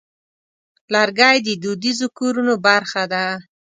لرګی د دودیزو کورونو برخه ده.